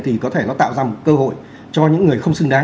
thì có thể nó tạo ra một cơ hội cho những người không xứng đáng